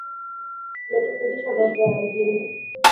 Ametufundisha mambo ya mbingu